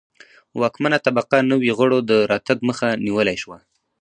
واکمنه طبقه نویو غړو د راتګ مخه نیولای شوه